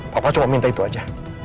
papa cuma minta itu saja